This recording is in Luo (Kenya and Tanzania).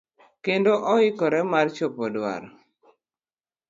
Kendo oikore mar chopo dwaro.